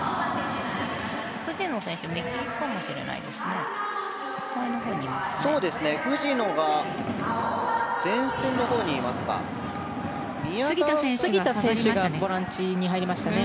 藤野選手右かもしれないですね。